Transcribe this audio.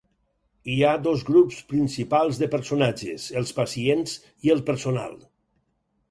Hi ha dos grups principals de personatges, els pacients i el personal.